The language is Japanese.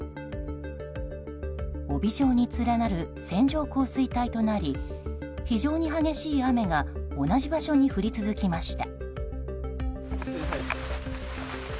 帯状に連なる線状降水帯となり非常に激しい雨が同じ場所に降り続きました。